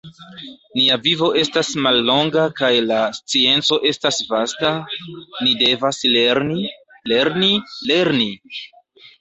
Nia vivo estas mallonga kaj la scienco estas vasta; ni devas lerni, lerni, lerni!